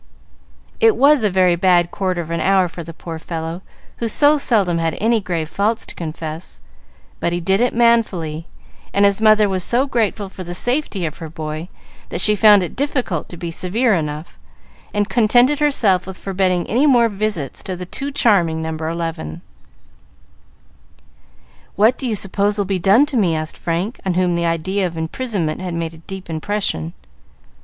It was a very bad quarter of an hour for the poor fellow, who so seldom had any grave faults to confess; but he did it manfully, and his mother was so grateful for the safety of her boy that she found it difficult to be severe enough, and contented herself with forbidding any more visits to the too charming No. 11. "What do you suppose will be done to me?" asked Frank, on whom the idea of imprisonment had made a deep impression.